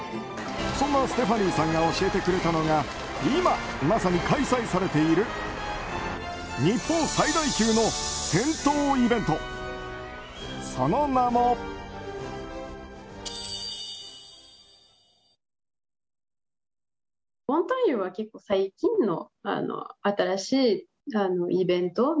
そんなステファニーさんが教えてくれたのは今、まさに開催されている日本最大級の銭湯イベント。